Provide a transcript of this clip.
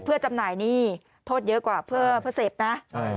เพื่อจำหน่ายหนี้โทษเยอะกว่าเพื่อเสพนะ